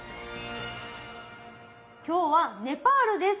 今日はネパールです。